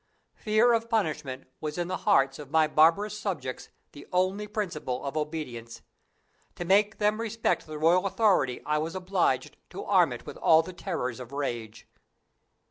Fear of punishment was in the hearts of my barbarous subjects the only principle of obedience. To make them respect the royal authority I was obliged to arm it with all the terrors of rage.